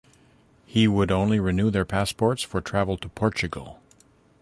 He would only renew their passports for travel to Portugal.